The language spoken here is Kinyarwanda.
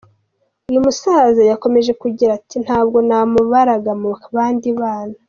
Uyu musaza yakomeje agira ati “Ntabwo namubaraga mu bandi bana.